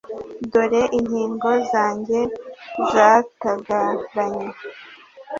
dore ingingo zanjye zatagaranye